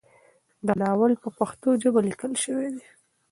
دا ناول په پښتو ژبه لیکل شوی دی.